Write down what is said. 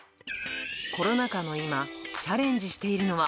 コロナ禍の今、チャレンジしているのは。